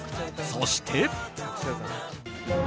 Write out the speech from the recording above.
そして。